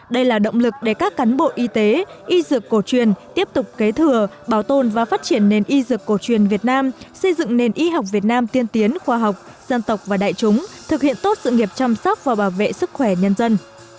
đây là động lực để các cán bộ y tế y dược cổ truyền tiếp tục kế thừa bảo tồn và phát triển nền y dược cổ truyền việt nam xây dựng nền y học việt nam tiên tiến khoa học dân tộc và đại chúng thực hiện tốt sự nghiệp chăm sóc và bảo vệ sức khỏe nhân dân